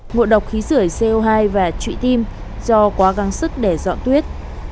ngộ độc khí sửa co hai và trụy tim do quá găng sức để dọn tuyết